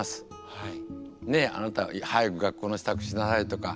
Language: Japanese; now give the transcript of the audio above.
はい。